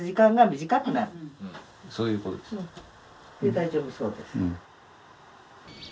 大丈夫そうです。